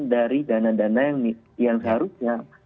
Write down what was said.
dari dana dana yang seharusnya